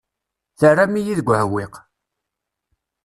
Terram-iyi deg uɛewwiq.